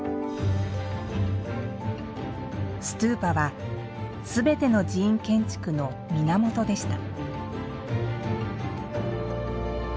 ストゥーパは全ての寺院建築の源でした。